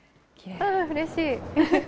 うれしい。